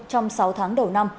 trong sáu tháng đầu năm